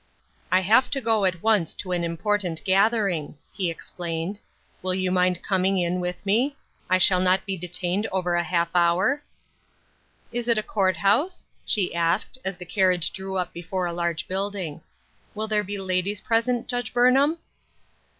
" I have to go at once to an important gather ing," he explained. " Will you mind coming in with me ? I shall not be detained over a half hour ?"" Is it a court house ?" she asked, as the car 334 AT home. riage drew up before a large building. " Will there be ladies present, Judge Burnham."